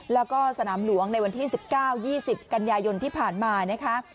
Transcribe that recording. แล้วก็สนามหลวงในวันที่๑๙๒๐กันยายนที่ผ่านมานะคะ